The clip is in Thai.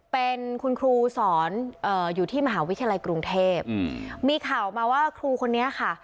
เป็นคุณครูสอนอยู่ที่มหาวิทยาลัยกรุงเทพมีข่าวมาว่าครูคนนี้ค่ะ